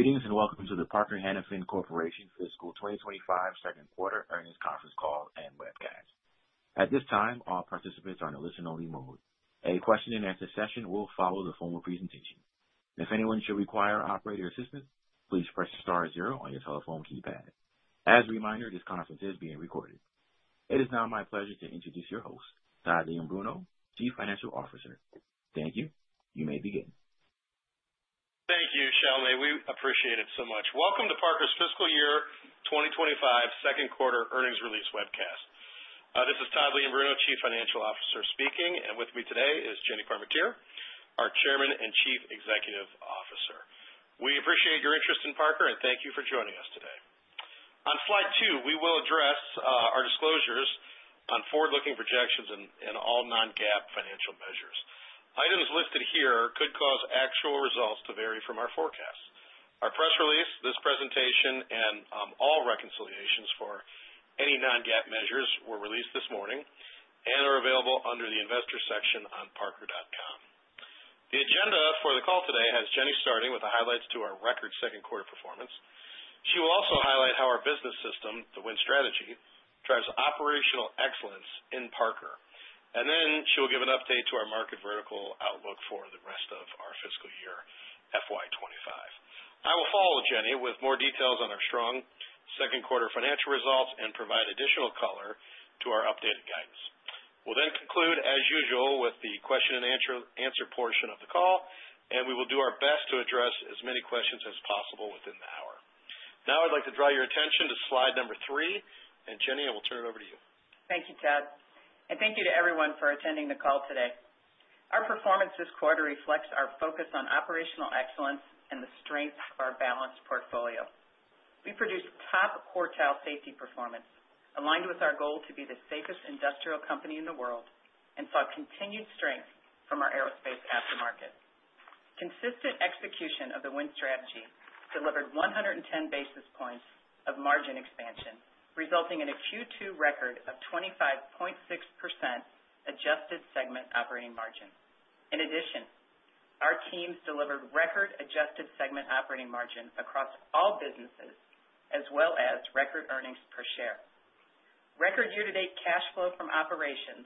Greetings and welcome to the Parker-Hannifin Corporation fiscal 2025 second quarter earnings conference call and webcast. At this time, all participants are in a listen-only mode. A question-and-answer session will follow the formal presentation. If anyone should require operator assistance, please press star zero on your telephone keypad. As a reminder, this conference is being recorded. It is now my pleasure to introduce your host, Todd Leombruno, Chief Financial Officer. Thank you. You may begin. Thank you, Shelby. We appreciate it so much. Welcome to Parker's fiscal year 2025 second quarter earnings release webcast. This is Todd Leombruno, Chief Financial Officer speaking, and with me today is Jenny Parmentier, our Chairman and Chief Executive Officer. We appreciate your interest in Parker, and thank you for joining us today. On slide two, we will address our disclosures on forward-looking projections and all non-GAAP financial measures. Items listed here could cause actual results to vary from our forecasts. Our press release, this presentation, and all reconciliations for any non-GAAP measures were released this morning and are available under the Investor section on Parker.com. The agenda for the call today has Jenny starting with the highlights to our record second quarter performance. She will also highlight how our business system, the Win Strategy, drives operational excellence in Parker. Then she will give an update to our market vertical outlook for the rest of our fiscal year, FY 2025. I will follow Jenny with more details on our strong second quarter financial results and provide additional color to our updated guidance. We'll then conclude, as usual, with the question-and-answer portion of the call, and we will do our best to address as many questions as possible within the hour. Now, I'd like to draw your attention to slide number three, and Jenny, I will turn it over to you. Thank you, Todd, and thank you to everyone for attending the call today. Our performance this quarter reflects our focus on operational excellence and the strength of our balanced portfolio. We produced top quartile safety performance, aligned with our goal to be the safest industrial company in the world, and saw continued strength from our Aerospace aftermarket. Consistent execution of the Win Strategy delivered 110 basis points of margin expansion, resulting in a Q2 record of 25.6% adjusted segment operating margin. In addition, our teams delivered record adjusted segment operating margin across all businesses, as well as record earnings per share. Record year-to-date cash flow from operations,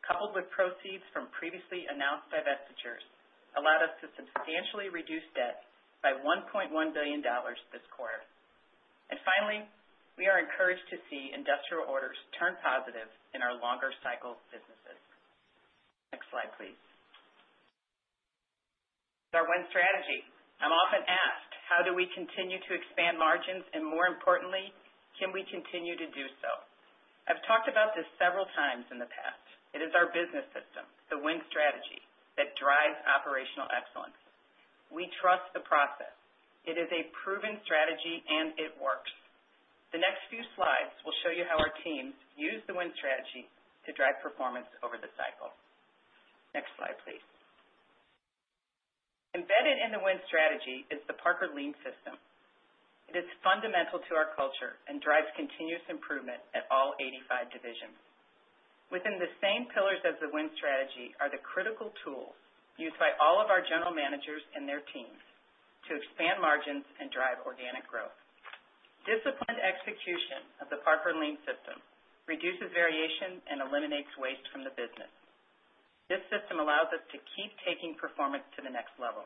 coupled with proceeds from previously announced divestitures, allowed us to substantially reduce debt by $1.1 billion this quarter, and finally, we are encouraged to see industrial orders turn positive in our longer cycle businesses. Next slide, please. Our Win Strategy. I'm often asked, how do we continue to expand margins? And more importantly, can we continue to do so? I've talked about this several times in the past. It is our business system, the Win Strategy, that drives operational excellence. We trust the process. It is a proven strategy, and it works. The next few slides will show you how our teams use the Win Strategy to drive performance over the cycle. Next slide, please. Embedded in the Win Strategy is the Parker Lean System. It is fundamental to our culture and drives continuous improvement at all 85 divisions. Within the same pillars as the Win Strategy are the critical tools used by all of our general managers and their teams to expand margins and drive organic growth. Disciplined execution of the Parker Lean System reduces variation and eliminates waste from the business. This system allows us to keep taking performance to the next level.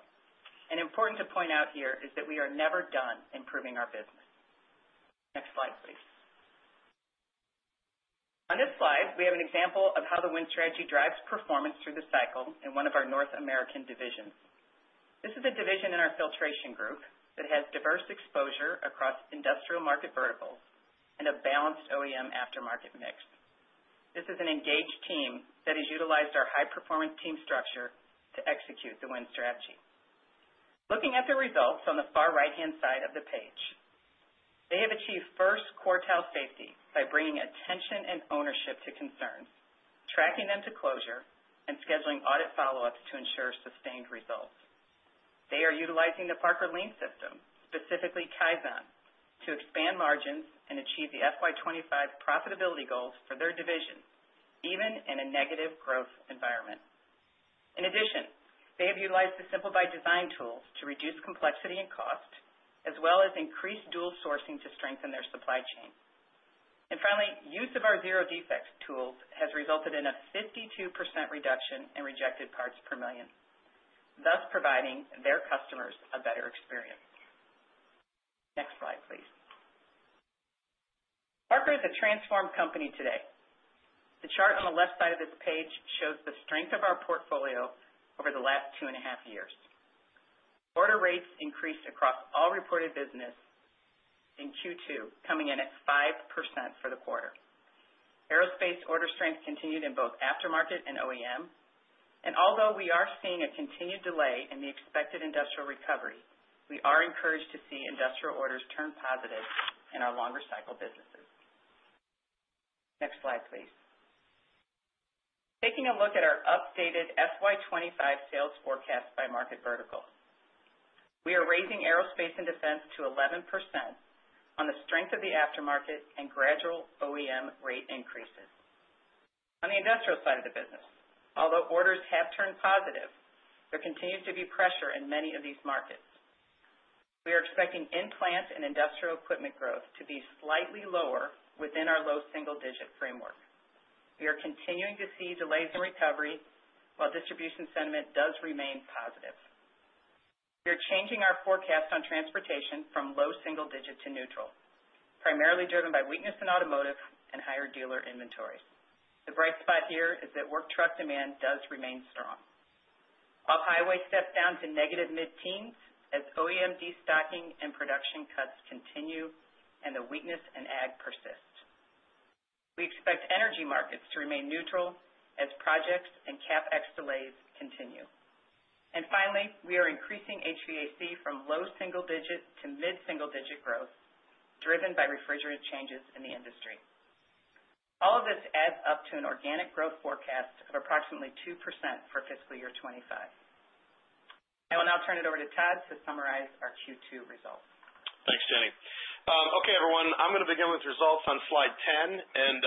And important to point out here is that we are never done improving our business. Next slide, please. On this slide, we have an example of how the Win Strategy drives performance through the cycle in one of our North American divisions. This is a division in our Filtration Group that has diverse exposure across industrial market verticals and a balanced OEM aftermarket mix. This is an engaged team that has utilized our high-performance team structure to execute the Win Strategy. Looking at the results on the far right-hand side of the page, they have achieved first quartile safety by bringing attention and ownership to concerns, tracking them to closure, and scheduling audit follow-ups to ensure sustained results. They are utilizing the Parker Lean System, specifically Kaizen, to expand margins and achieve the FY 2025 profitability goals for their division, even in a negative growth environment. In addition, they have utilized the simplified design tools to reduce complexity and cost, as well as increased dual sourcing to strengthen their supply chain, and finally, use of our Zero Defects tools has resulted in a 52% reduction in rejected parts per million, thus providing their customers a better experience. Next slide, please. Parker is a transformed company today. The chart on the left side of this page shows the strength of our portfolio over the last two and a half years. Order rates increased across all reported business in Q2, coming in at 5% for the quarter. Aerospace order strength continued in both Aftermarket and OEM. Although we are seeing a continued delay in the expected industrial recovery, we are encouraged to see industrial orders turn positive in our longer cycle businesses. Next slide, please. Taking a look at our updated FY 2025 sales forecast by market vertical, we are raising aerospace and defense to 11% on the strength of the aftermarket and gradual OEM rate increases. On the industrial side of the business, although orders have turned positive, there continues to be pressure in many of these markets. We are expecting in-plant and industrial equipment growth to be slightly lower within our low single-digit framework. We are continuing to see delays in recovery while distribution sentiment does remain positive. We are changing our forecast on transportation from low single digit to neutral, primarily driven by weakness in automotive and higher dealer inventories. The bright spot here is that work truck demand does remain strong. Off-highway steps down to negative mid-teens as OEM destocking and production cuts continue and the weakness in ag persists. We expect energy markets to remain neutral as projects and CapEx delays continue. And finally, we are increasing HVAC from low single digit to mid-single digit growth driven by refrigerant changes in the industry. All of this adds up to an organic growth forecast of approximately 2% for fiscal year 2025. I will now turn it over to Todd to summarize our Q2 results. Thanks, Jenny. Okay, everyone. I'm going to begin with results on slide 10, and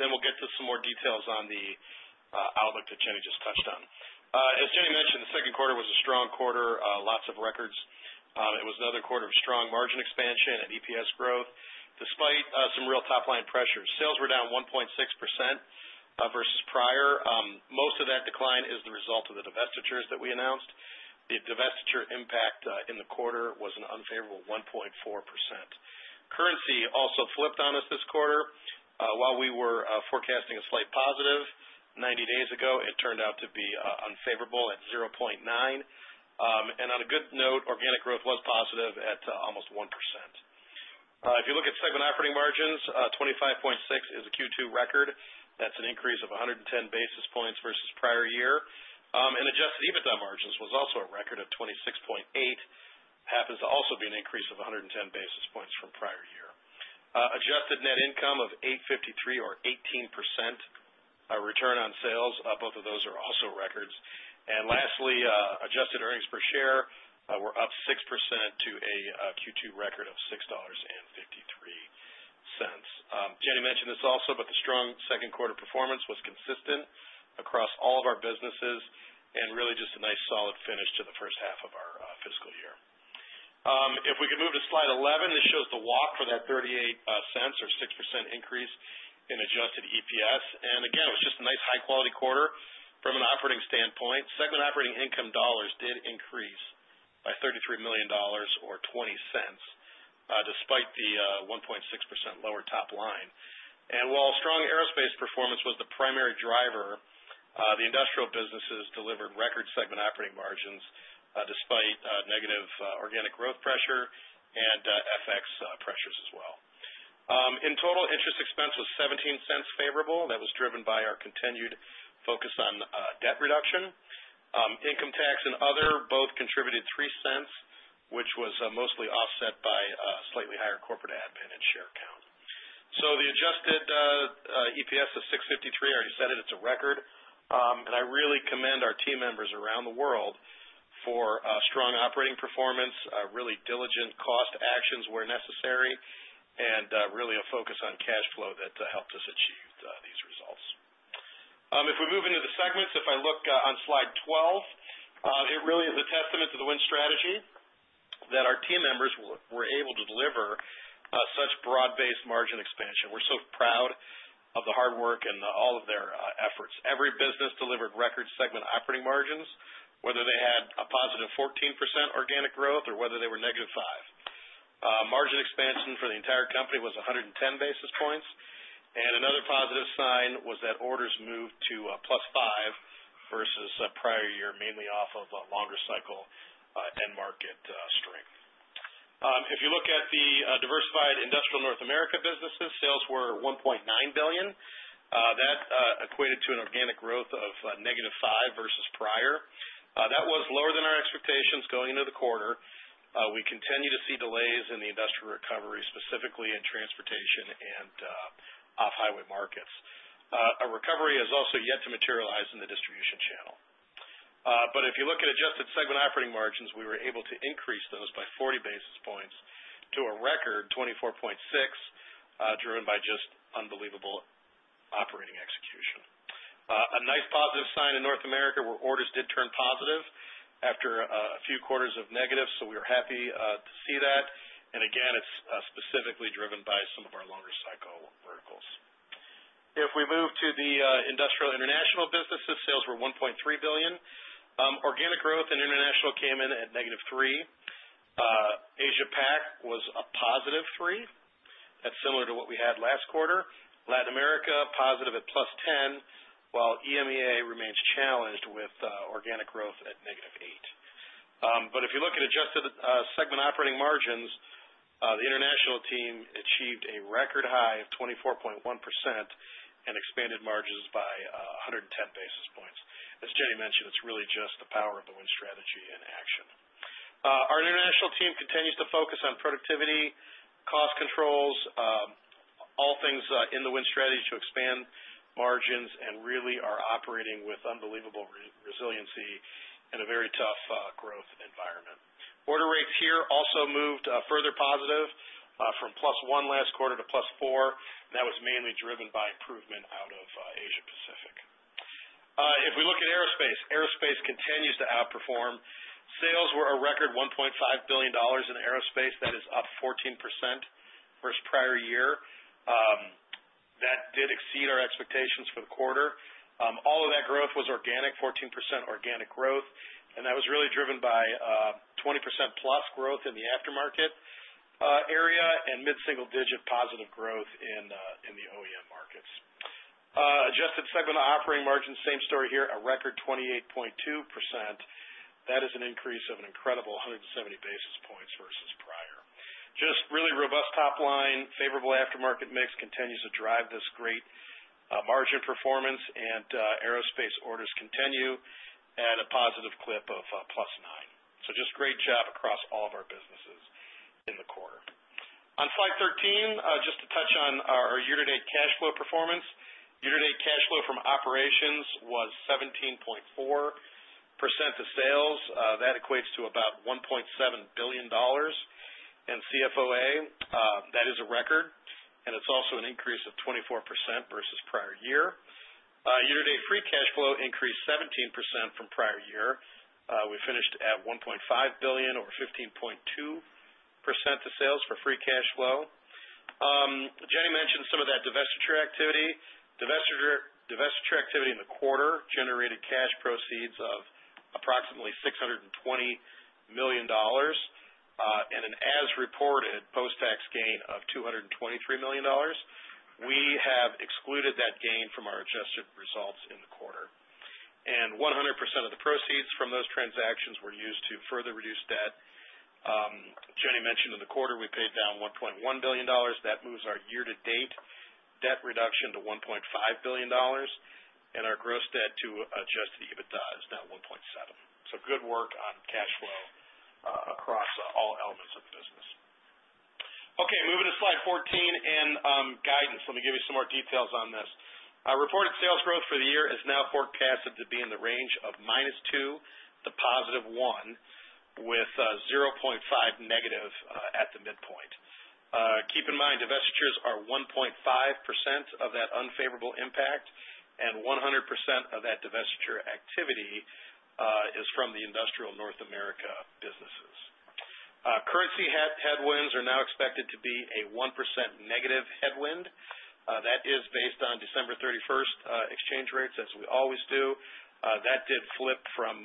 then we'll get to some more details on the outlook that Jenny just touched on. As Jenny mentioned, the second quarter was a strong quarter, lots of records. It was another quarter of strong margin expansion and EPS growth. Despite some real top-line pressure, sales were down 1.6% versus prior. Most of that decline is the result of the divestitures that we announced. The divestiture impact in the quarter was an unfavorable 1.4%. Currency also flipped on us this quarter. While we were forecasting a slight positive 90 days ago, it turned out to be unfavorable at 0.9%. And on a good note, organic growth was positive at almost 1%. If you look at segment operating margins, 25.6% is a Q2 record. That's an increase of 110 basis points versus prior year. Adjusted EBITDA margins was also a record of 26.8%, happens to also be an increase of 110 basis points from prior year. Adjusted net income of $853 million or 18% return on sales, both of those are also records. Lastly, adjusted earnings per share were up 6% to a Q2 record of $6.53. Jenny mentioned this also, but the strong second quarter performance was consistent across all of our businesses and really just a nice solid finish to the first half of our fiscal year. If we could move to slide 11, this shows the walk for that $0.38 or 6% increase in adjusted EPS. And again, it was just a nice high-quality quarter from an operating standpoint. Segment operating income dollars did increase by $33 million or $0.20 despite the 1.6% lower top line. While strong aerospace performance was the primary driver, the industrial businesses delivered record segment operating margins despite negative organic growth pressure and FX pressures as well. In total, interest expense was $0.17 favorable. That was driven by our continued focus on debt reduction. Income tax and other both contributed $0.03, which was mostly offset by slightly higher corporate admin and share count. The adjusted EPS of $6.53, I already said it, it's a record. I really commend our team members around the world for strong operating performance, really diligent cost actions where necessary, and really a focus on cash flow that helped us achieve these results. If we move into the segments, if I look on slide 12, it really is a testament to the Win Strategy that our team members were able to deliver such broad-based margin expansion. We're so proud of the hard work and all of their efforts. Every business delivered record segment operating margins, whether they had a positive 14% organic growth or whether they were -5%. Margin expansion for the entire company was 110 basis points. And another positive sign was that orders moved to +5% versus prior year, mainly off of a longer cycle and market strength. If you look at the Diversified Industrial North America businesses, sales were $1.9 billion. That equated to an organic growth of -5% versus prior. That was lower than our expectations going into the quarter. We continue to see delays in the industrial recovery, specifically in transportation and off-highway markets. A recovery has also yet to materialize in the distribution channel. But if you look at adjusted segment operating margins, we were able to increase those by 40 basis points to a record 24.6%, driven by just unbelievable operating execution. A nice positive sign in North America where orders did turn positive after a few quarters of negative, so we were happy to see that. And again, it's specifically driven by some of our longer cycle verticals. If we move to the Industrial International businesses, sales were $1.3 billion. Organic growth in international came in at -3%. Asia-Pac was a +3%. That's similar to what we had last quarter. Latin America positive at +10%, while EMEA remains challenged with organic growth at -8%. But if you look at adjusted segment operating margins, the international team achieved a record high of 24.1% and expanded margins by 110 basis points. As Jenny mentioned, it's really just the power of the Win Strategy and action. Our international team continues to focus on productivity, cost controls, all things in the Win Strategy to expand margins, and really are operating with unbelievable resiliency in a very tough growth environment. Order rates here also moved further positive from +1 last quarter to +4. That was mainly driven by improvement out of Asia-Pacific. If we look at aerospace, aerospace continues to outperform. Sales were a record $1.5 billion in aerospace. That is up 14% versus prior year. That did exceed our expectations for the quarter. All of that growth was organic, 14% organic growth. And that was really driven by 20% plus growth in the aftermarket area and mid-single digit positive growth in the OEM markets. Adjusted segment operating margins, same story here, a record 28.2%. That is an increase of an incredible 170 basis points versus prior. Just really robust top line, favorable aftermarket mix continues to drive this great margin performance, and aerospace orders continue at a positive clip of +9%. So just great job across all of our businesses in the quarter. On Slide 13, just to touch on our year-to-date cash flow performance. Year-to-date cash flow from operations was 17.4% of sales. That equates to about $1.7 billion. And CFOA, that is a record. And it's also an increase of 24% versus prior year. Year-to-date free cash flow increased 17% from prior year. We finished at $1.5 billion or 15.2% of sales for free cash flow. Jenny mentioned some of that divestiture activity. Divestiture activity in the quarter generated cash proceeds of approximately $620 million and an as-reported post-tax gain of $223 million. We have excluded that gain from our adjusted results in the quarter. And 100% of the proceeds from those transactions were used to further reduce debt. Jenny mentioned in the quarter we paid down $1.1 billion. That moves our year-to-date debt reduction to $1.5 billion and our gross debt to Adjusted EBITDA is now 1.7. So good work on cash flow across all elements of the business. Okay, moving to slide 14 and guidance. Let me give you some more details on this. Reported sales growth for the year is now forecasted to be in the range of -2% to +1%, with -0.5% at the midpoint. Keep in mind, divestitures are 1.5% of that unfavorable impact, and 100% of that divestiture activity is from the Industrial North America businesses. Currency headwinds are now expected to be a 1% negative headwind. That is based on December 31st exchange rates, as we always do. That did flip from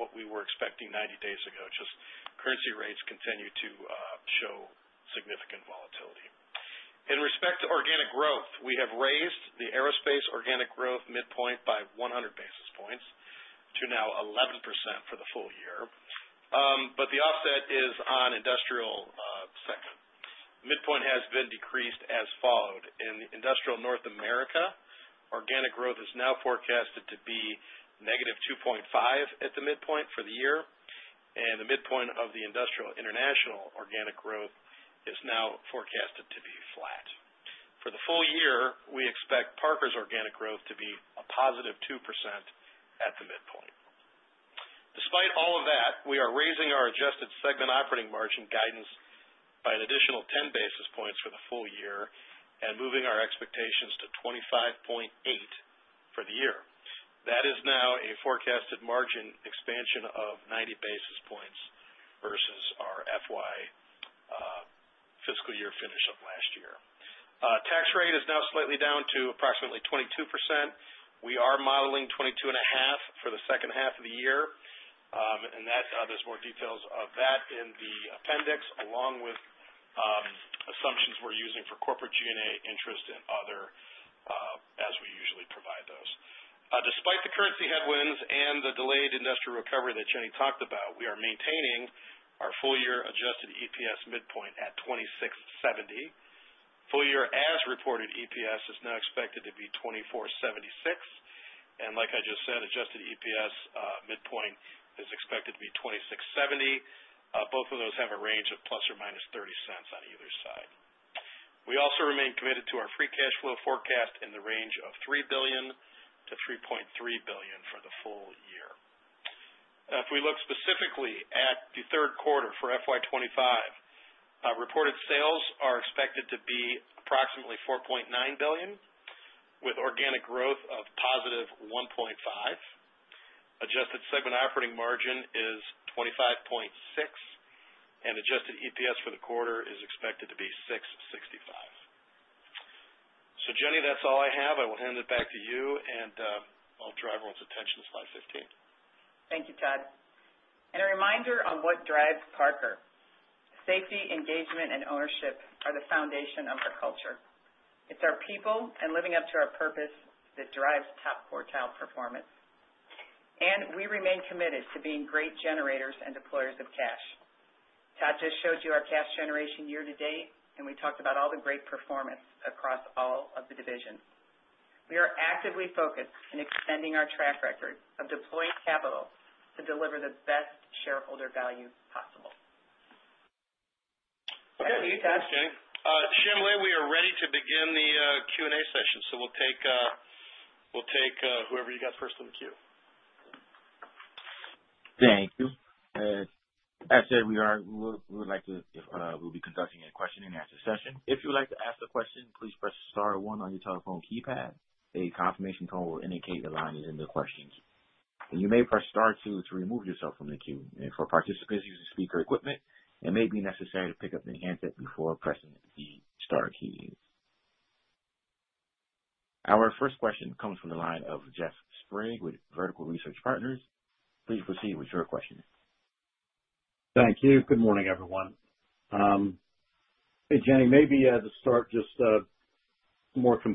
what we were expecting 90 days ago. Just currency rates continue to show significant volatility. In respect to organic growth, we have raised the aerospace organic growth midpoint by 100 basis points to now 11% for the full year. But the offset is on industrial segment. Midpoint has been decreased as follows. In Industrial North America, organic growth is now forecasted to be negative 2.5% at the midpoint for the year. And the midpoint of the Industrial International organic growth is now forecasted to be flat. For the full year, we expect Parker's organic growth to be a positive 2% at the midpoint. Despite all of that, we are raising our adjusted segment operating margin guidance by an additional 10 basis points for the full year and moving our expectations to 25.8% for the year. That is now a forecasted margin expansion of 90 basis points versus our FY fiscal year finish of last year. Tax rate is now slightly down to approximately 22%. We are modeling 22.5% for the second half of the year, and there's more details of that in the appendix, along with assumptions we're using for corporate G&A interest and other as we usually provide those. Despite the currency headwinds and the delayed industrial recovery that Jenny talked about, we are maintaining our full year adjusted EPS midpoint at $26.70. Full year as reported EPS is now expected to be $24.76, and like I just said, adjusted EPS midpoint is expected to be $26.70. Both of those have a range of plus or minus $0.30 on either side. We also remain committed to our free cash flow forecast in the range of $3 billion to $3.3 billion for the full year. If we look specifically at the third quarter for FY 2025, reported sales are expected to be approximately $4.9 billion, with organic growth of positive 1.5%. Adjusted segment operating margin is 25.6%, and adjusted EPS for the quarter is expected to be $6.65. So Jenny, that's all I have. I will hand it back to you, and I'll draw everyone's attention to slide 15. Thank you, Todd. And a reminder on what drives Parker. Safety, engagement, and ownership are the foundation of our culture. It's our people and living up to our purpose that drives top quartile performance. And we remain committed to being great generators and deployers of cash. Todd just showed you our cash generation year to date, and we talked about all the great performance across all of the divisions. We are actively focused in extending our track record of deploying capital to deliver the best shareholder value possible. Thank you, Todd. Thanks, Jenny. So, Shelby, we are ready to begin the Q&A session, so we'll take whoever you got first in the queue. Thank you. As I said, we will be conducting a question and answer session. If you would like to ask a question, please press star one on your telephone keypad. A confirmation code will indicate the line is in the queue. You may press star two to remove yourself from the queue. For participants using speaker equipment, it may be necessary to pick up the handset before pressing the star key. Our first question comes from the line of Jeffrey Sprague with Vertical Research Partners. Please proceed with your question. Thank you. Good morning, everyone. Hey, Jenny, maybe as a start, just more color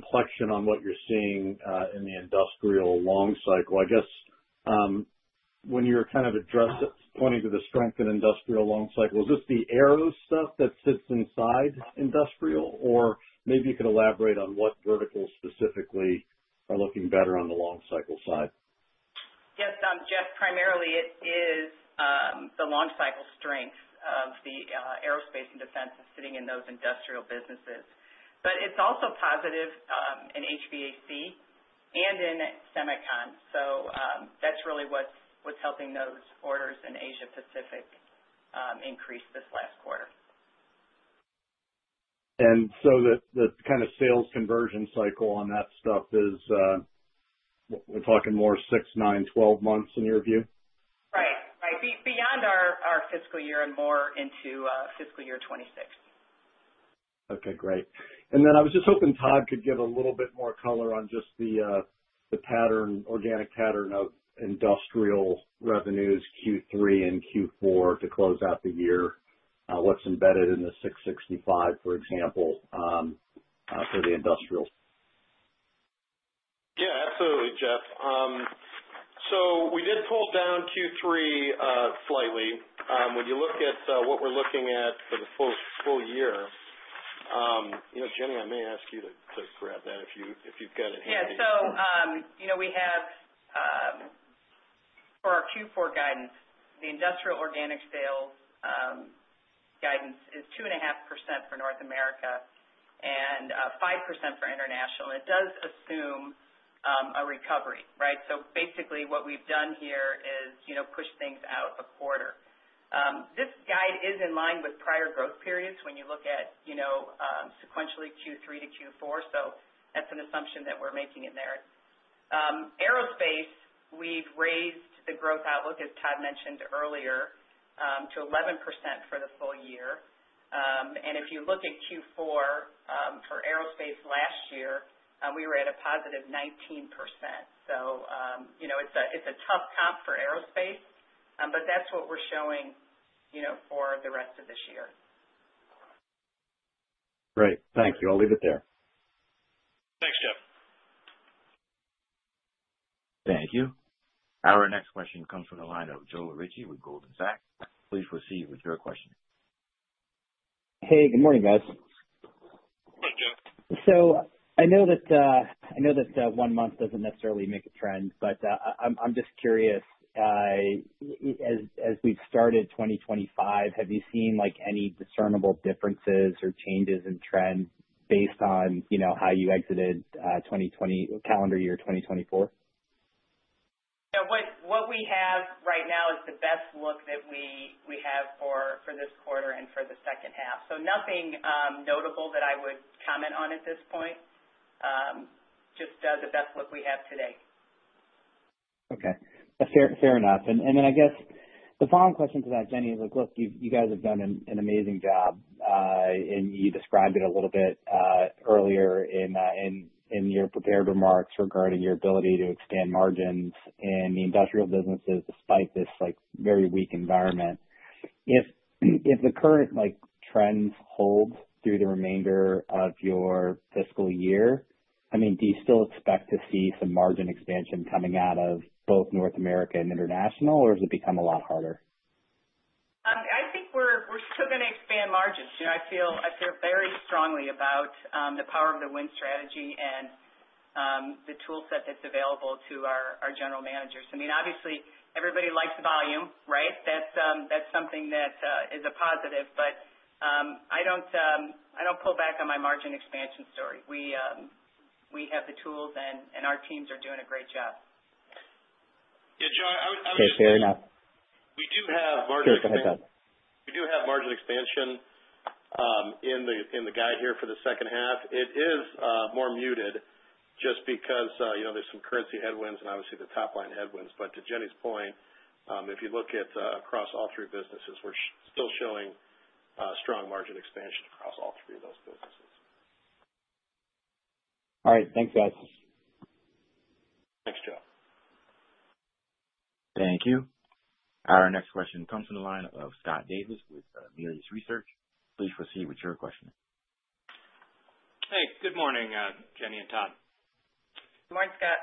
on what you're seeing in the industrial long cycle. I guess when you're kind of addressing, pointing to the strength in industrial long cycle, is this the aero stuff that sits inside industrial? Or maybe you could elaborate on what verticals specifically are looking better on the long cycle side? Yes, Jeff, primarily it is the long cycle strength of the aerospace and defense that's sitting in those industrial businesses. But it's also positive in HVAC and in Semicon. So that's really what's helping those orders in Asia-Pacific increase this last quarter. And so the kind of sales conversion cycle on that stuff is, we're talking more six, nine, 12 months in your view? Right. Right. Beyond our fiscal year and more into fiscal year 2026. Okay, great. And then I was just hoping Todd could give a little bit more color on just the organic pattern of industrial revenues Q3 and Q4 to close out the year. What's embedded in the 665, for example, for the industrial? Yeah, absolutely, Jeff. So we did pull down Q3 slightly. When you look at what we're looking at for the full year, Jenny, I may ask you to grab that if you've got it handy. Yeah. So we have for our Q4 guidance, the industrial organic sales guidance is 2.5% for North America and 5% for international. And it does assume a recovery, right? So basically what we've done here is push things out a quarter. This guide is in line with prior growth periods when you look at sequentially Q3 to Q4. So that's an assumption that we're making in there. Aerospace, we've raised the growth outlook, as Todd mentioned earlier, to 11% for the full year. And if you look at Q4 for aerospace last year, we were at a +19%. So it's a tough comp for aerospace, but that's what we're showing for the rest of this year. Great. Thank you. I'll leave it there. Thanks, Jeff. Thank you. Our next question comes from the line of Joe Ritchie with Goldman Sachs. Please proceed with your question. Hey, good morning, guys. Hi, Joe. So I know that one month doesn't necessarily make a trend, but I'm just curious, as we've started 2025, have you seen any discernible differences or changes in trend based on how you exited calendar year 2024? Yeah. What we have right now is the best look that we have for this quarter and for the second half. So nothing notable that I would comment on at this point. Just the best look we have today. Okay. Fair enough. And then I guess the following question to that, Jenny, is, look, you guys have done an amazing job. And you described it a little bit earlier in your prepared remarks regarding your ability to expand margins in the industrial businesses despite this very weak environment. If the current trends hold through the remainder of your fiscal year, I mean, do you still expect to see some margin expansion coming out of both North America and international, or has it become a lot harder? I think we're still going to expand margins. I feel very strongly about the power of the Win Strategy and the toolset that's available to our general managers. I mean, obviously, everybody likes volume, right? That's something that is a positive. But I don't pull back on my margin expansion story. We have the tools, and our teams are doing a great job. Yeah, John, I was. Okay, fair enough. We do have margin. Sorry about that. We do have margin expansion in the guide here for the second half. It is more muted just because there's some currency headwinds and obviously the top line headwinds. But to Jenny's point, if you look at across all three businesses, we're still showing strong margin expansion across all three of those businesses. All right. Thanks, guys. Thanks, Joe. Thank you. Our next question comes from the line of Scott Davis with Melius Research. Please proceed with your question. Hey, good morning, Jenny and Todd. Good morning, Scott.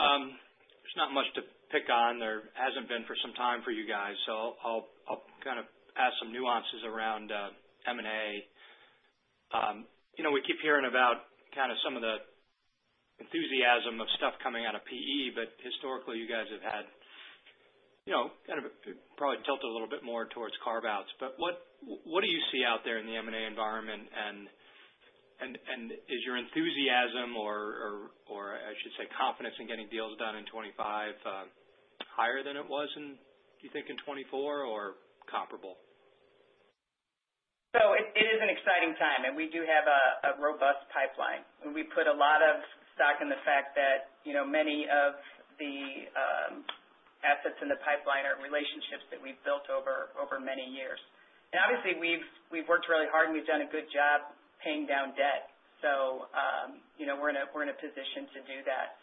There's not much to pick on. There hasn't been for some time for you guys. So I'll kind of ask some nuances around M&A. We keep hearing about kind of some of the enthusiasm of stuff coming out of PE, but historically, you guys have had kind of probably tilted a little bit more towards carve-outs. But what do you see out there in the M&A environment? And is your enthusiasm, or I should say confidence in getting deals done in 2025, higher than it was, do you think, in 2024, or comparable? It is an exciting time. And we do have a robust pipeline. We put a lot of stock in the fact that many of the assets in the pipeline are relationships that we've built over many years. And obviously, we've worked really hard, and we've done a good job paying down debt. So we're in a position to do that.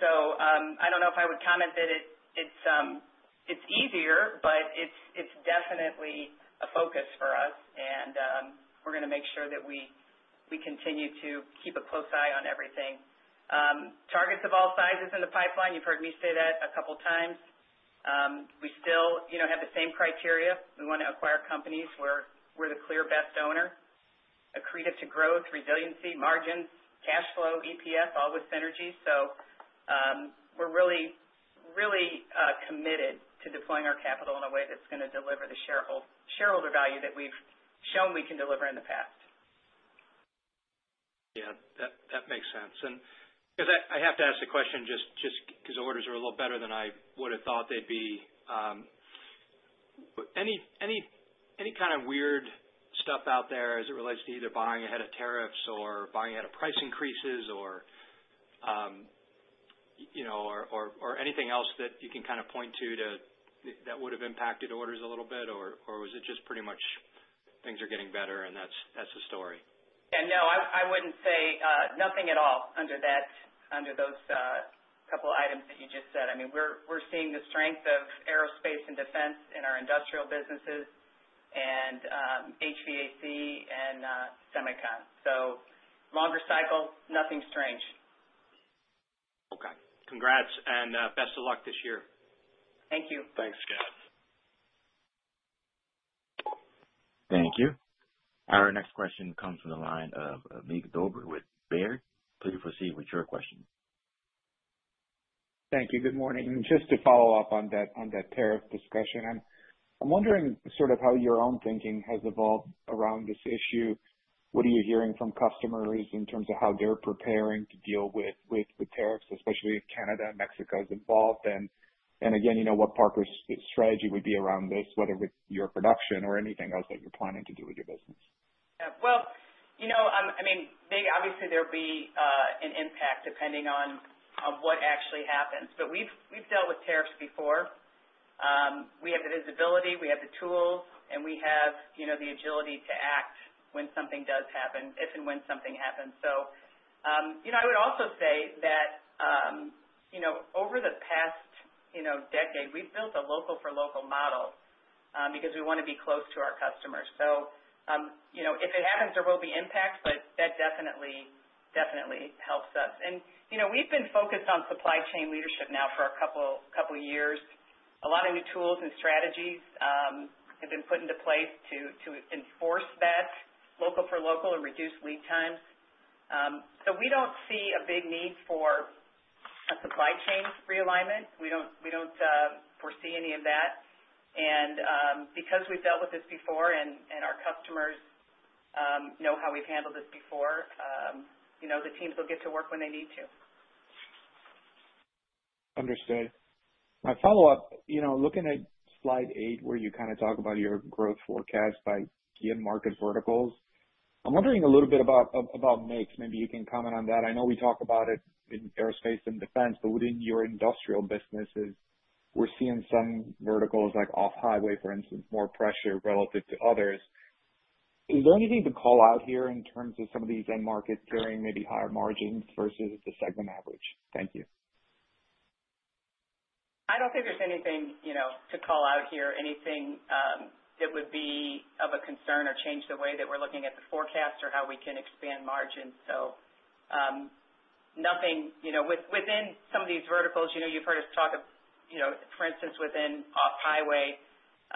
So I don't know if I would comment that it's easier, but it's definitely a focus for us. And we're going to make sure that we continue to keep a close eye on everything. Targets of all sizes in the pipeline. You've heard me say that a couple of times. We still have the same criteria. We want to acquire companies. We're the clear best owner. Accretive to growth, resiliency, margins, cash flow, EPS, all with synergy. So we're really, really committed to deploying our capital in a way that's going to deliver the shareholder value that we've shown we can deliver in the past. Yeah, that makes sense. And I have to ask a question just because orders are a little better than I would have thought they'd be. Any kind of weird stuff out there as it relates to either buying ahead of tariffs or buying ahead of price increases or anything else that you can kind of point to that would have impacted orders a little bit? Or was it just pretty much things are getting better, and that's the story? Yeah, no, I wouldn't say nothing at all under those couple of items that you just said. I mean, we're seeing the strength of aerospace and defense in our industrial businesses and HVAC and Semicon. So longer cycle, nothing strange. Okay. Congrats and best of luck this year. Thank you. Thanks, Scott. Thank you. Our next question comes from the line of Mig Dobre with Baird. Please proceed with your question. Thank you. Good morning. Just to follow up on that tariff discussion, I'm wondering sort of how your own thinking has evolved around this issue. What are you hearing from customers in terms of how they're preparing to deal with tariffs, especially if Canada and Mexico is involved? And again, what Parker's strategy would be around this, whether with your production or anything else that you're planning to do with your business? Yeah. Well, I mean, obviously, there'll be an impact depending on what actually happens. But we've dealt with tariffs before. We have the visibility. We have the tools, and we have the agility to act when something does happen, if and when something happens. So I would also say that over the past decade, we've built a local-for-local model because we want to be close to our customers. So if it happens, there will be impact, but that definitely helps us. And we've been focused on supply chain leadership now for a couple of years. A lot of new tools and strategies have been put into place to enforce that local-for-local and reduce lead times. So we don't see a big need for a supply chain realignment. We don't foresee any of that. Because we've dealt with this before and our customers know how we've handled this before, the teams will get to work when they need to. Understood. My follow-up, looking at slide eight where you kind of talk about your growth forecast by key and market verticals, I'm wondering a little bit about mix. Maybe you can comment on that. I know we talk about it in aerospace and defense, but within your industrial businesses, we're seeing some verticals like off-highway, for instance, more pressure relative to others. Is there anything to call out here in terms of some of these end markets carrying maybe higher margins versus the segment average? Thank you. I don't think there's anything to call out here, anything that would be of a concern or change the way that we're looking at the forecast or how we can expand margins. So nothing within some of these verticals. You've heard us talk of, for instance, within off-highway,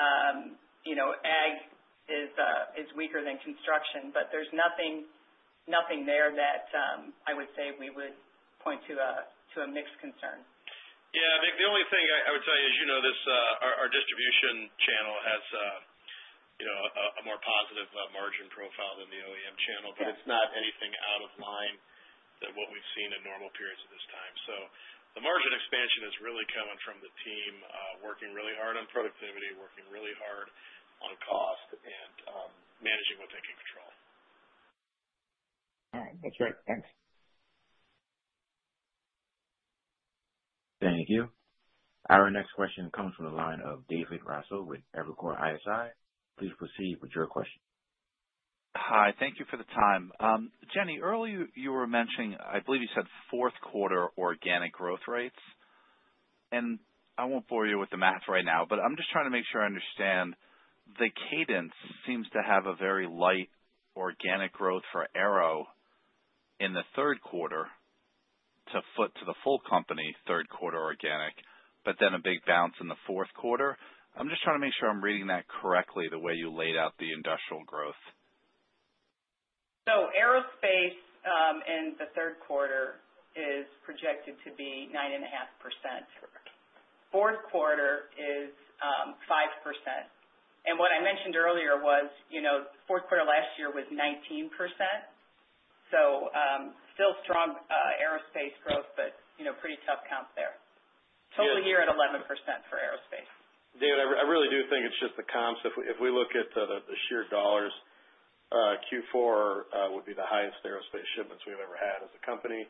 ag is weaker than construction, but there's nothing there that I would say we would point to a mixed concern. Yeah. The only thing I would tell you, as you know, our distribution channel has a more positive margin profile than the OEM channel, but it's not anything out of line than what we've seen in normal periods of this time. So the margin expansion is really coming from the team working really hard on productivity, working really hard on cost, and managing what they can control. All right. That's great. Thanks. Thank you. Our next question comes from the line of David Raso with Evercore ISI. Please proceed with your question. Hi. Thank you for the time. Jenny, earlier you were mentioning, I believe you said fourth quarter organic growth rates. And I won't bore you with the math right now, but I'm just trying to make sure I understand. The cadence seems to have a very light organic growth for Aero in the third quarter that footed the full company third quarter organic, but then a big bounce in the fourth quarter. I'm just trying to make sure I'm reading that correctly the way you laid out the industrial growth. Aerospace in the third quarter is projected to be 9.5%. Fourth quarter is 5%. And what I mentioned earlier was fourth quarter last year was 19%. So still strong aerospace growth, but pretty tough comp there. Total year at 11% for aerospace. David, I really do think it's just the comps. If we look at the sheer dollars, Q4 would be the highest aerospace shipments we've ever had as a company,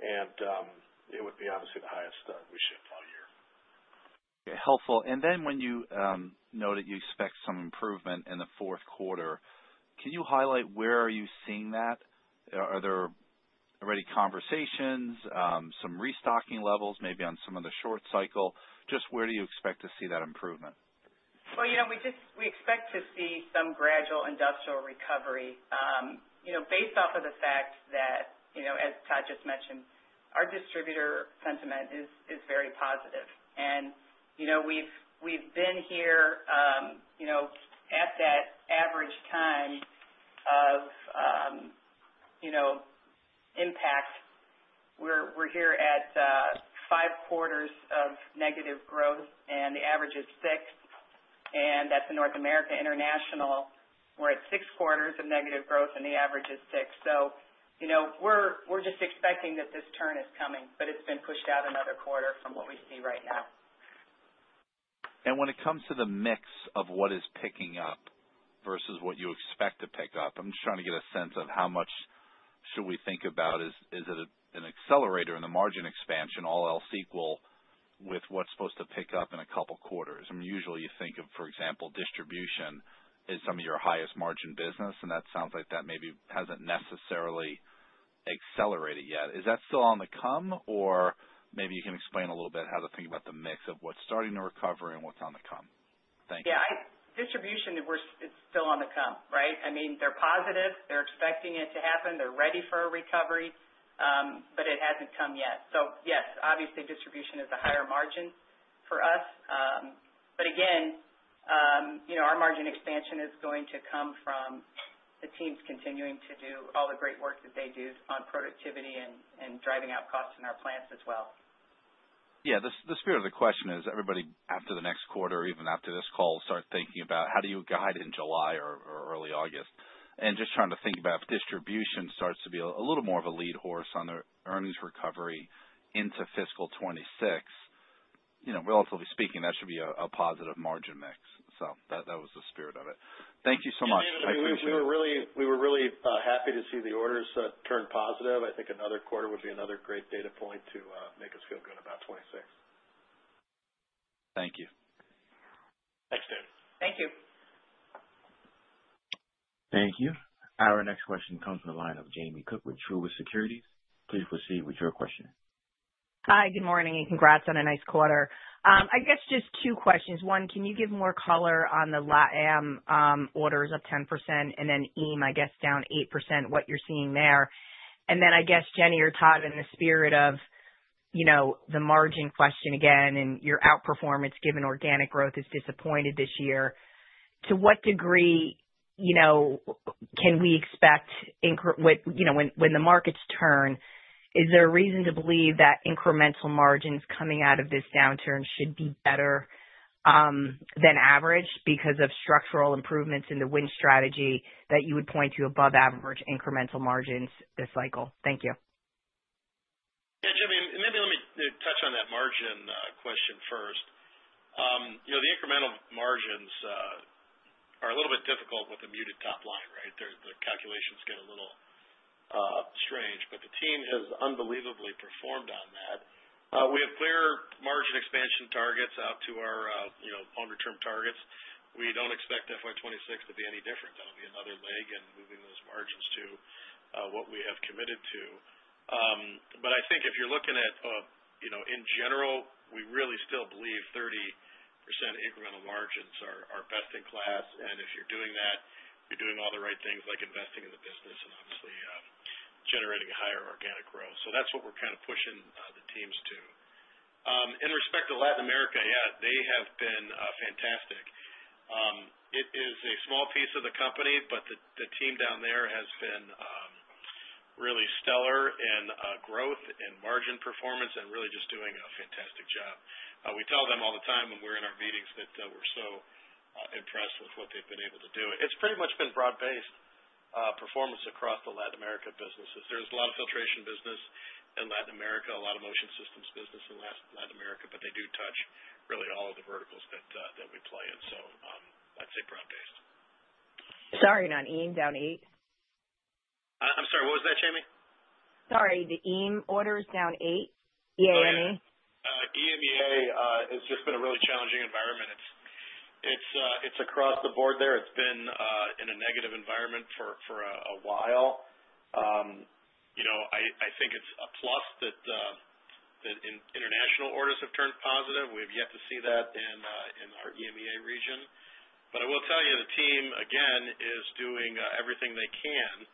and it would be obviously the highest we shipped all year. Helpful. And then, when you know that you expect some improvement in the fourth quarter, can you highlight where are you seeing that? Are there already conversations, some restocking levels maybe on some of the short cycle? Just where do you expect to see that improvement? Yeah, we expect to see some gradual industrial recovery based off of the fact that, as Todd just mentioned, our distributor sentiment is very positive. We've been here at that average time of impact. We're here at five quarters of negative growth, and the average is six. That's in North America International. We're at six quarters of negative growth, and the average is six. We're just expecting that this turn is coming, but it's been pushed out another quarter from what we see right now. And when it comes to the mix of what is picking up versus what you expect to pick up, I'm just trying to get a sense of how much should we think about is it an accelerator in the margin expansion, all else equal, with what's supposed to pick up in a couple of quarters? I mean, usually you think of, for example, distribution as some of your highest margin business, and that sounds like that maybe hasn't necessarily accelerated yet. Is that still on the come, or maybe you can explain a little bit how to think about the mix of what's starting to recover and what's on the come? Thank you. Yeah, distribution, it's still on the come, right? I mean, they're positive. They're expecting it to happen. They're ready for a recovery, but it hasn't come yet. So yes, obviously, distribution is a higher margin for us. But again, our margin expansion is going to come from the teams continuing to do all the great work that they do on productivity and driving out costs in our plants as well. Yeah. The spirit of the question is everybody, after the next quarter, even after this call, start thinking about how do you guide in July or early August, and just trying to think about distribution starts to be a little more of a lead horse on the earnings recovery into fiscal 2026. Relatively speaking, that should be a positive margin mix, so that was the spirit of it. Thank you so much. I appreciate it. We were really happy to see the orders turn positive. I think another quarter would be another great data point to make us feel good about 2026. Thank you. Thanks, David. Thank you. Thank you. Our next question comes from the line of Jamie Cook with Truist Securities. Please proceed with your question. Hi, good morning, and congrats on a nice quarter. I guess just two questions. One, can you give more color on the LATAM orders up 10% and then EMEA, I guess, down 8%, what you're seeing there? And then I guess, Jenny or Todd, in the spirit of the margin question again and your outperformance given organic growth is disappointed this year, to what degree can we expect when the markets turn, is there a reason to believe that incremental margins coming out of this downturn should be better than average because of structural improvements in the Win Strategy that you would point to above-average incremental margins this cycle? Thank you. Yeah, Jamie, maybe let me touch on that margin question first. The incremental margins are a little bit difficult with the muted top line, right? The calculations get a little strange. But the team has unbelievably performed on that. We have clear margin expansion targets out to our longer-term targets. We don't expect FY 2026 to be any different. That'll be another leg in moving those margins to what we have committed to. But I think if you're looking at in general, we really still believe 30% incremental margins are best in class. And if you're doing that, you're doing all the right things, like investing in the business and obviously generating higher organic growth. So that's what we're kind of pushing the teams to. In respect to Latin America, yeah, they have been fantastic. It is a small piece of the company, but the team down there has been really stellar in growth and margin performance and really just doing a fantastic job. We tell them all the time when we're in our meetings that we're so impressed with what they've been able to do. It's pretty much been broad-based performance across the Latin America businesses. There's a lot of filtration business in Latin America, a lot of motion systems business in Latin America, but they do touch really all of the verticals that we play in. So I'd say broad-based. Sorry, not EMEA, down eight? I'm sorry, what was that, Jamie? Sorry, the EMEA orders down eight? EMEA? EMEA has just been a really challenging environment. It's across the board there. It's been in a negative environment for a while. I think it's a plus that international orders have turned positive. We have yet to see that in our EMEA region. But I will tell you, the team, again, is doing everything they can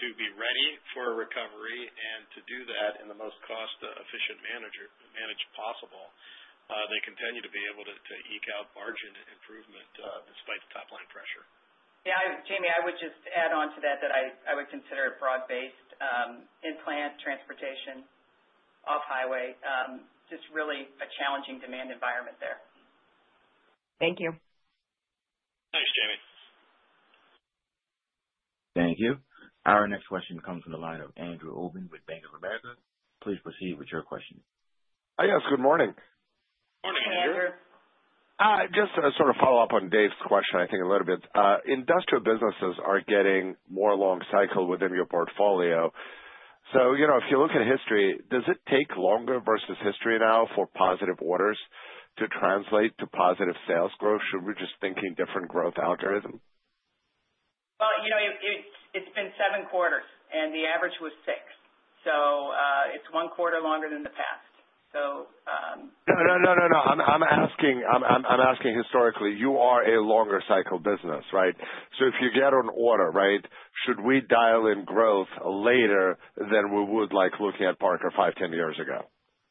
to be ready for a recovery and to do that in the most cost-efficient manner possible. They continue to be able to eke out margin improvement despite the top-line pressure. Yeah, Jamie, I would just add on to that that I would consider it broad-based in plant, transportation, off-highway, just really a challenging demand environment there. Thank you. Thanks, Jamie. Thank you. Our next question comes from the line of Andrew Obin with Bank of America. Please proceed with your question. Hi, guys. Good morning. Morning, Andrew. Hey, Andrew. Just to sort of follow up on David's question, I think a little bit. Industrial businesses are getting more long-cycle within your portfolio. So if you look at history, does it take longer versus history now for positive orders to translate to positive sales growth? Should we just think in different growth algorithm? It's been seven quarters, and the average was six, so it's one quarter longer than the past. No, no, no, no, no. I'm asking historically, you are a longer-cycle business, right? So if you get an order, right, should we dial in growth later than we would looking at Parker five, 10 years ago?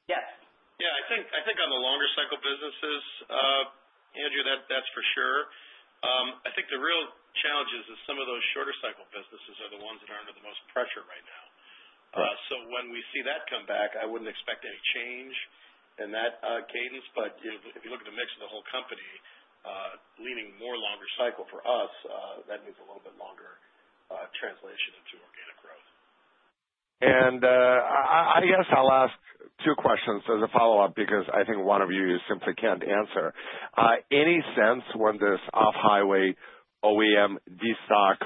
Yes. Yeah. I think on the longer-cycle businesses, Andrew, that's for sure. I think the real challenge is that some of those shorter-cycle businesses are the ones that are under the most pressure right now. So when we see that come back, I wouldn't expect any change in that cadence. But if you look at the mix of the whole company leaning more longer-cycle for us, that means a little bit longer translation into organic growth. I guess I'll ask two questions as a follow-up because I think one of you simply can't answer. Any sense when this off-highway OEM destock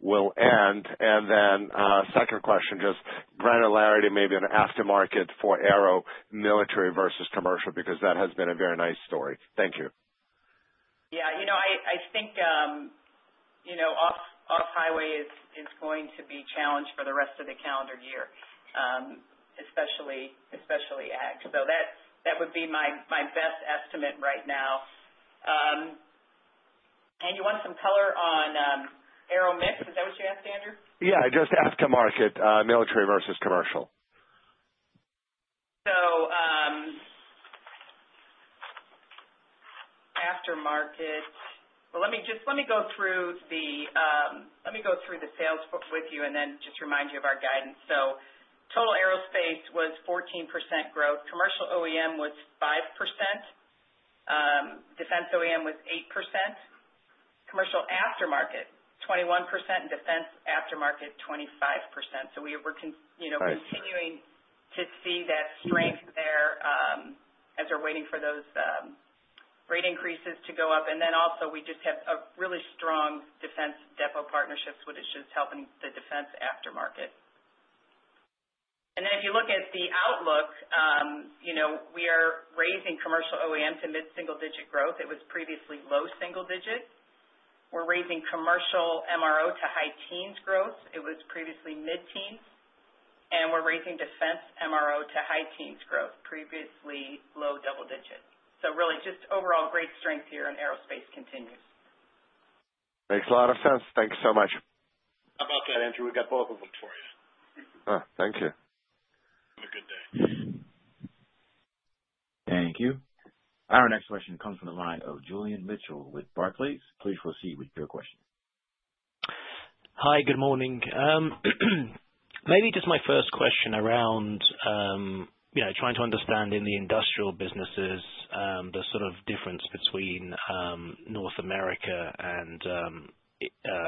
will end? And then second question, just granularity, maybe an aftermarket for aero military versus commercial because that has been a very nice story. Thank you. Yeah. I think off-highway is going to be challenged for the rest of the calendar year, especially ag. So that would be my best estimate right now. And you want some color on aero mix. Is that what you asked, Andrew? Yeah. Just aftermarket, military versus commercial. So, aftermarket. Well, let me just go through the sales with you and then just remind you of our guidance. So total Aerospace was 14% growth. Commercial OEM was 5%. Defense OEM was 8%. Commercial aftermarket, 21%. Defense aftermarket, 25%. So we were continuing to see that strength there as we're waiting for those rate increases to go up. And then also, we just have a really strong defense depot partnerships, which is helping the defense aftermarket. And then if you look at the outlook, we are raising commercial OEM to mid-single-digit growth. It was previously low single-digit. We're raising commercial MRO to high-teens growth. It was previously mid-teens. And we're raising defense MRO to high-teens growth, previously low double-digit. So really, just overall great strength here in Aerospace continues. Makes a lot of sense. Thank you so much. How about that, Andrew? We've got both of them for you. Thank you. Have a good day. Thank you. Our next question comes from the line of Julian Mitchell with Barclays. Please proceed with your question. Hi, good morning. Maybe just my first question around trying to understand in the industrial businesses the sort of difference between North America and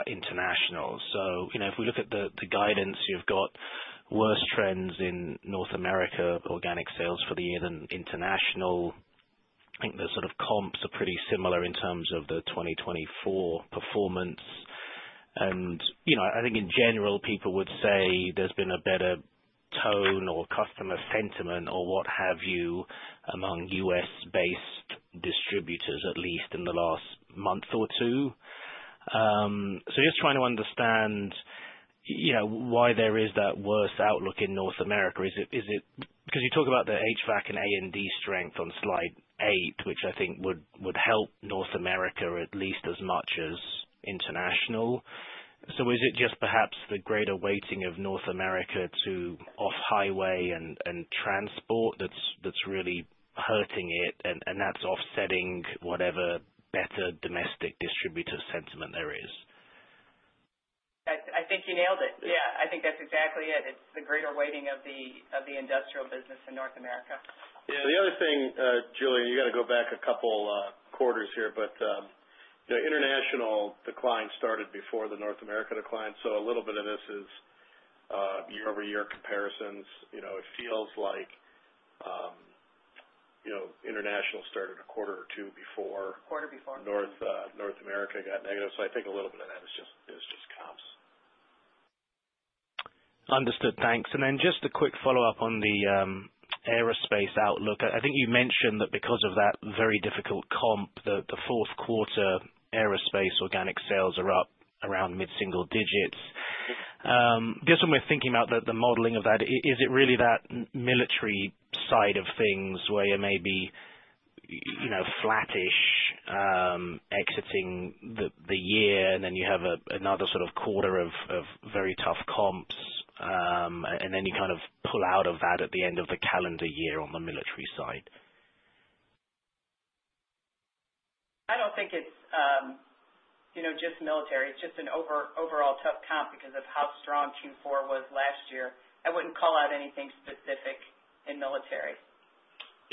international. So if we look at the guidance, you've got worse trends in North America organic sales for the year than international. I think the sort of comps are pretty similar in terms of the 2024 performance. And I think in general, people would say there's been a better tone or customer sentiment or what have you among U.S.-based distributors, at least in the last month or two. So just trying to understand why there is that worse outlook in North America. Because you talk about the HVAC and A&D strength on slide eight, which I think would help North America at least as much as international. Is it just perhaps the greater weighting of North America to off-highway and transport that's really hurting it, and that's offsetting whatever better domestic distributor sentiment there is? I think you nailed it. Yeah. I think that's exactly it. It's the greater weighting of the industrial business in North America. Yeah. The other thing, Julian, you got to go back a couple of quarters here, but international decline started before the North America decline. So a little bit of this is year-over-year comparisons. It feels like international started a quarter or two before. Quarter before. North America got negative, so I think a little bit of that is just comps. Understood. Thanks. And then just a quick follow-up on the aerospace outlook. I think you mentioned that because of that very difficult comp, the fourth quarter aerospace organic sales are up around mid-single digits. Just when we're thinking about the modeling of that, is it really that military side of things where you may be flattish exiting the year, and then you have another sort of quarter of very tough comps, and then you kind of pull out of that at the end of the calendar year on the military side? I don't think it's just military. It's just an overall tough comp because of how strong Q4 was last year. I wouldn't call out anything specific in military.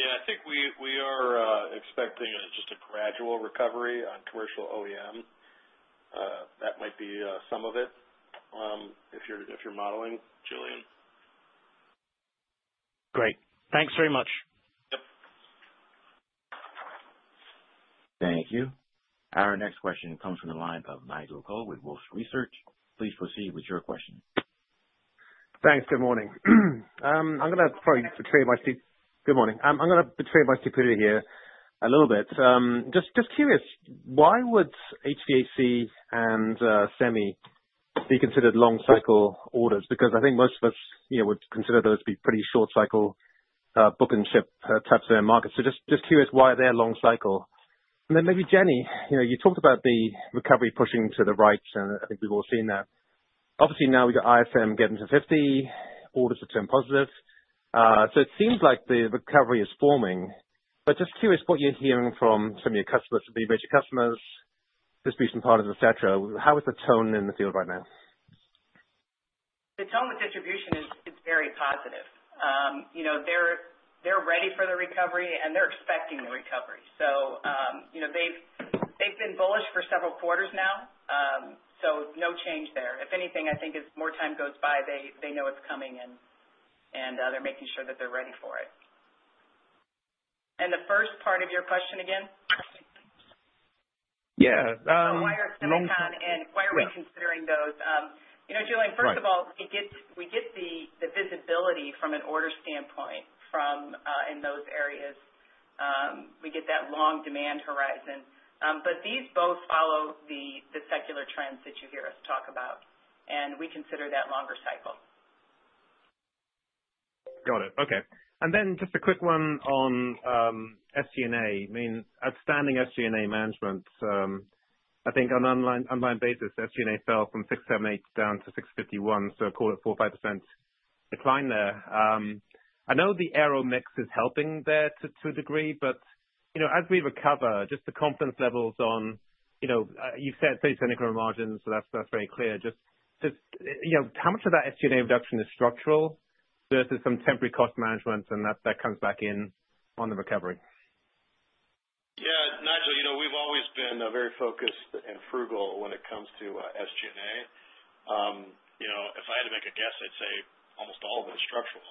Yeah. I think we are expecting just a gradual recovery on commercial OEM. That might be some of it if you're modeling, Julian. Great. Thanks very much. Yep. Thank you. Our next question comes from the line of Nigel Coe with Wolfe Research. Please proceed with your question. Thanks. Good morning. I'm going to probably betray my good morning. I'm going to betray my stupidity here a little bit. Just curious, why would HVAC and Semi be considered long-cycle orders? Because I think most of us would consider those to be pretty short-cycle book and ship types of their markets. So just curious why they're long-cycle. And then maybe Jenny, you talked about the recovery pushing to the right, and I think we've all seen that. Obviously, now we've got ISM getting to 50, orders have turned positive. So it seems like the recovery is forming. But just curious what you're hearing from some of your customers, the major customers, distribution partners, etc. How is the tone in the field right now? The tone with distribution is very positive. They're ready for the recovery, and they're expecting the recovery. So they've been bullish for several quarters now. So no change there. If anything, I think as more time goes by, they know it's coming, and they're making sure that they're ready for it. And the first part of your question again? Yeah. So why are semicon and why are we considering those? Julian, first of all, we get the visibility from an order standpoint in those areas. We get that long demand horizon, but these both follow the secular trends that you hear us talk about, and we consider that longer cycle. Got it. Okay. And then just a quick one on SG&A. I mean, outstanding SG&A management. I think on an organic basis, SG&A fell from 678 down to 651. So I call it 45% decline there. I know the aero mix is helping there to a degree, but as we recover, just the confidence levels on what you've said 30% incremental margins, so that's very clear. Just how much of that SG&A reduction is structural versus some temporary cost management, and that comes back in on the recovery? Yeah. Nigel, we've always been very focused and frugal when it comes to SG&A. If I had to make a guess, I'd say almost all of it is structural.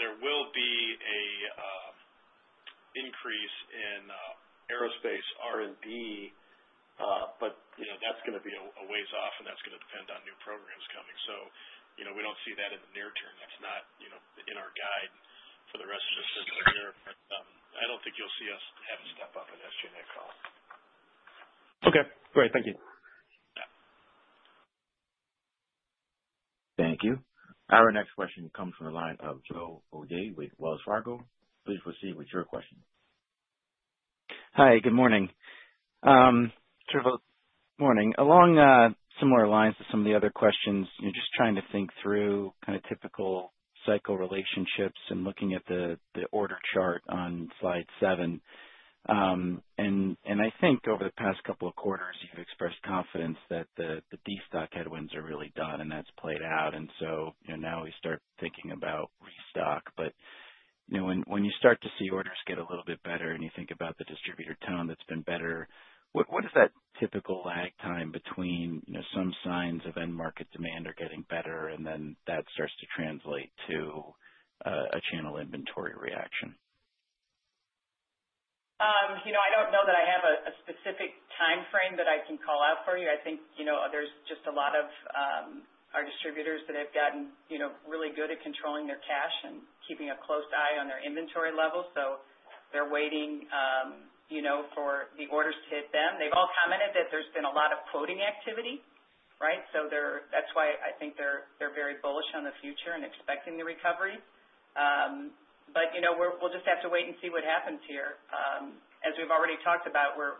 There will be an increase in aerospace R&D, but that's going to be a ways off, and that's going to depend on new programs coming. So we don't see that in the near term. That's not in our guide for the rest of the calendar year. But I don't think you'll see us have a step up in SG&A at all. Okay. Great. Thank you. Thank you. Our next question comes from the line of Joe O'Dea with Wells Fargo. Please proceed with your question. Hi, good morning. Good morning. Morning. Along similar lines to some of the other questions, just trying to think through kind of typical cycle relationships and looking at the order chart on slide seven, and I think over the past couple of quarters, you've expressed confidence that the destock headwinds are really done, and that's played out, and so now we start thinking about restock, but when you start to see orders get a little bit better and you think about the distributor tone that's been better, what is that typical lag time between some signs of end-market demand are getting better, and then that starts to translate to a channel inventory reaction? I don't know that I have a specific time frame that I can call out for you. I think there's just a lot of our distributors that have gotten really good at controlling their cash and keeping a close eye on their inventory levels. So they're waiting for the orders to hit them. They've all commented that there's been a lot of quoting activity, right? So that's why I think they're very bullish on the future and expecting the recovery. But we'll just have to wait and see what happens here. As we've already talked about, we're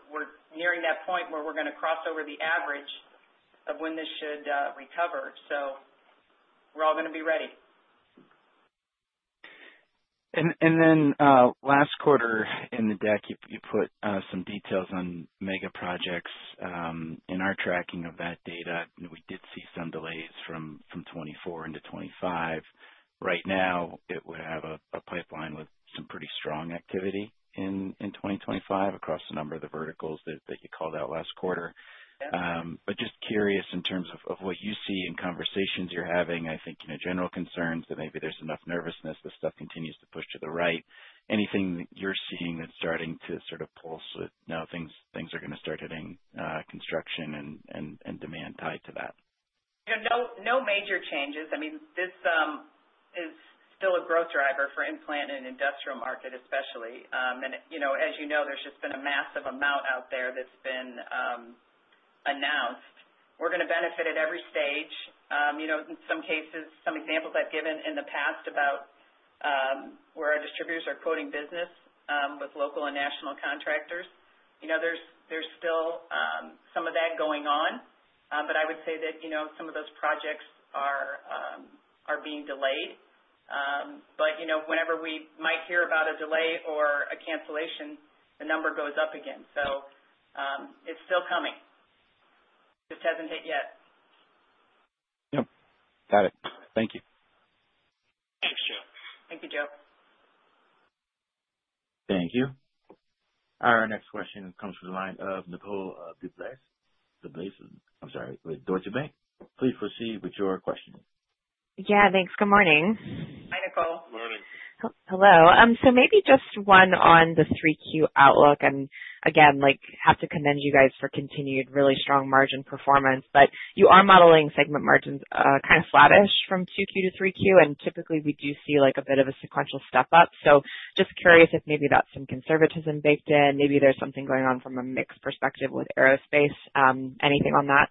nearing that point where we're going to cross over the average of when this should recover. So we're all going to be ready. Then last quarter in the deck, you put some details on megaprojects. In our tracking of that data, we did see some delays from 2024 into 2025. Right now, it would have a pipeline with some pretty strong activity in 2025 across a number of the verticals that you called out last quarter. Just curious in terms of what you see in conversations you're having. I think general concerns that maybe there's enough nervousness that stuff continues to push to the right. Anything that you're seeing that's starting to sort of pulse with now things are going to start hitting construction and demand tied to that? No major changes. I mean, this is still a growth driver for in-plant and industrial market, especially, and as you know, there's just been a massive amount out there that's been announced. We're going to benefit at every stage. In some cases, some examples I've given in the past about where our distributors are quoting business with local and national contractors. There's still some of that going on, but I would say that some of those projects are being delayed, but whenever we might hear about a delay or a cancellation, the number goes up again, so it's still coming. Just hasn't hit yet. Yep. Got it. Thank you. Thanks, Joe. Thank you, Joe. Thank you. Our next question comes from the line of Nicole DeBlase. I'm sorry, with Deutsche Bank. Please proceed with your question. Yeah. Thanks. Good morning. Hi, Nicole. Good morning. Hello. So maybe just one on the 3Q outlook. And again, have to commend you guys for continued really strong margin performance. But you are modeling segment margins kind of flattish from 2Q to 3Q. And typically, we do see a bit of a sequential step up. So just curious if maybe that's some conservatism baked in. Maybe there's something going on from a mix perspective with aerospace. Anything on that?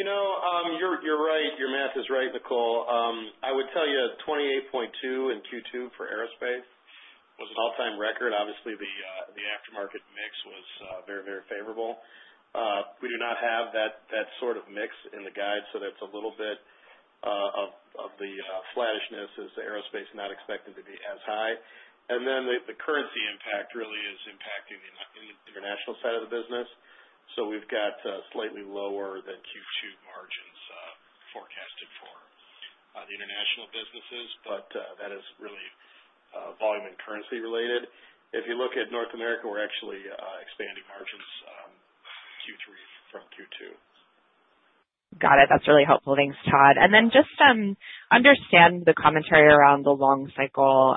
You're right. Your math is right, Nicole. I would tell you 28.2% in Q2 for aerospace was an all-time record. Obviously, the aftermarket mix was very, very favorable. We do not have that sort of mix in the guide. So that's a little bit of the flattishness as the aerospace is not expected to be as high. And then the currency impact really is impacting the international side of the business. So we've got slightly lower than Q2 margins forecasted for the international businesses. But that is really volume and currency related. If you look at North America, we're actually expanding margins from Q2. Got it. That's really helpful. Thanks, Todd. And then just understand the commentary around the long-cycle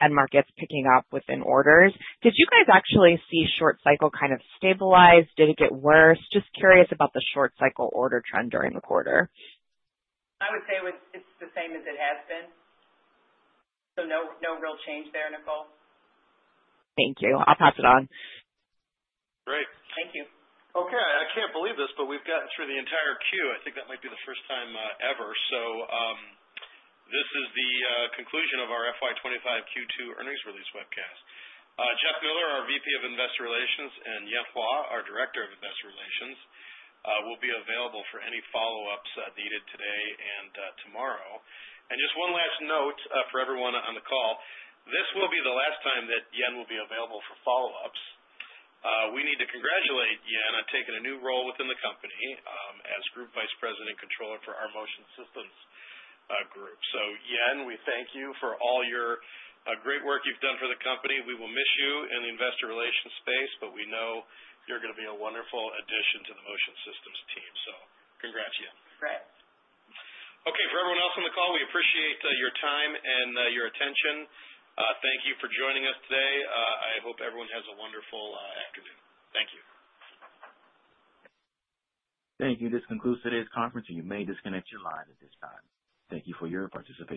and markets picking up within orders. Did you guys actually see short-cycle kind of stabilize? Did it get worse? Just curious about the short-cycle order trend during the quarter. I would say it's the same as it has been. So no real change there, Nicole. Thank you. I'll pass it on. Great. Thank you. Okay. I can't believe this, but we've gotten through the entire queue. I think that might be the first time ever. So this is the conclusion of our FY 2025 Q2 earnings release webcast. Jeff Miller, our VP of Investor Relations, and Yan Hua, our Director of Investor Relations, will be available for any follow-ups needed today and tomorrow. And just one last note for everyone on the call. This will be the last time that Yan will be available for follow-ups. We need to congratulate Yan on taking a new role within the company as Group Vice President Controller for our Motion Systems Group. So Yan, we thank you for all your great work you've done for the company. We will miss you in the investor relations space, but we know you're going to be a wonderful addition to the Motion Systems team. So congrats to you. Great. Okay. For everyone else on the call, we appreciate your time and your attention. Thank you for joining us today. I hope everyone has a wonderful afternoon. Thank you. Thank you. This concludes today's conference, and you may disconnect your line at this time. Thank you for your participation.